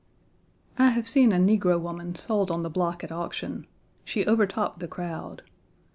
I have seen a negro woman sold on the block at auction. She overtopped the crowd.